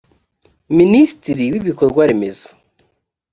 minisitiri w ibikorwa remezo